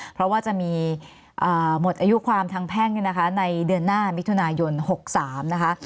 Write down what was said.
เพราะว่าจะมีหมดอายุความทางแพ่งในเดือนหน้ามิถุนายน๖๓นะคะ